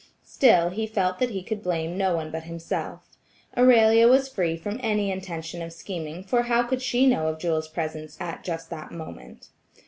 Still, he felt that he could blame no one but himself. Aurelia was free from any intention of scheming for how could she know of Jewel's presence at just that moment?